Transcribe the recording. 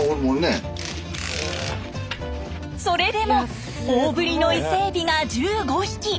それでも大ぶりのイセエビが１５匹。